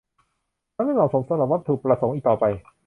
มันไม่เหมาะสมสำหรับวัตถุประสงค์อีกต่อไป